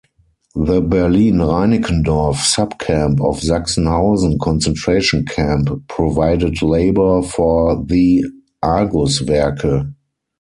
The Berlin-Reinickendorf subcamp of Sachsenhausen concentration camp provided labor for the Argus-Werke.